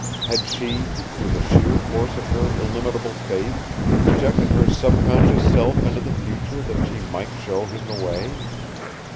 Had she, through the sheer force of her illimitable faith, projected her subconscious self into the future that she might show him the way?